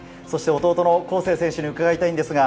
弟の恒成選手に伺いたいです。